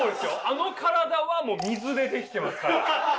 あの体はもう水でできてますから。